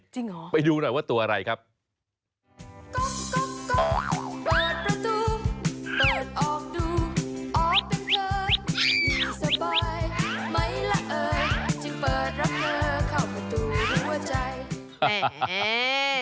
จริงเหรอไปดูหน่อยว่าตัวอะไรครับจริงเหรอ